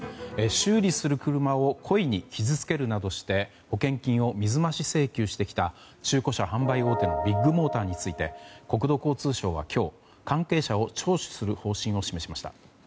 修理する車を故意に傷つけるなどして保険金を水増し請求してきた中古車販売大手のビッグモーターについて国土交通省は今日、関係者を聴取する方針を示しました。